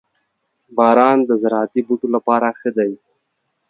• باران د زراعتي بوټو لپاره ښه دی.